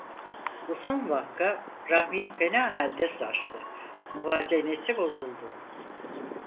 Bu son vaka Rahmi'yi fena halde sarstı, muvazenesi bozuldu.